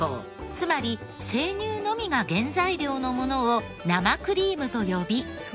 つまり生乳のみが原材料のものを生クリームと呼び。